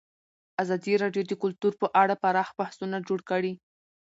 ازادي راډیو د کلتور په اړه پراخ بحثونه جوړ کړي.